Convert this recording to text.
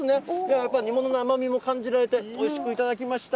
やっぱり煮物の甘みも感じられて、おいしく頂きました。